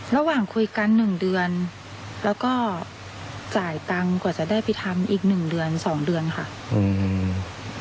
ระหว่างคุยกันหนึ่งเดือนแล้วก็จ่ายตังค์กว่าจะได้ไปทำอีกหนึ่งเดือนสองเดือนค่ะอืม